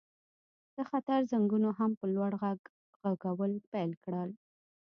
د خطر زنګونو هم په لوړ غږ غږول پیل کړل